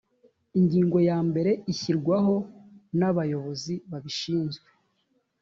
ingingo ya mbere ishyirwaho na bayobozi babishizwe